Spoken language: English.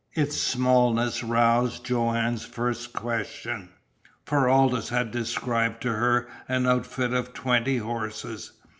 Its smallness roused Joanne's first question, for Aldous had described to her an outfit of twenty horses.